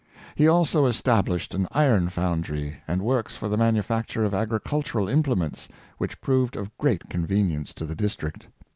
He also established an iron foundry and works for the manufacture of agricultural implements, which proved of great convenience to the district.